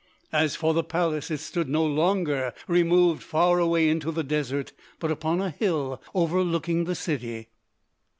As for the palace it stood no longer removed far away into the desert but upon a hill overlooking the city.